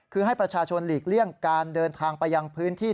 คือให้ประชาชนหลีกเลี่ยงการเดินทางไปยังพื้นที่